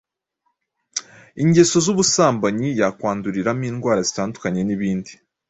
ingeso z’ubusambanyi yakwanduriramo indwara zitandukanye n’ibindi.